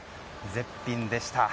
絶品でした。